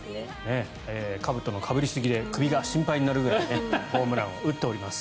かぶとのかぶり過ぎで首が心配になるくらいホームランを打っております。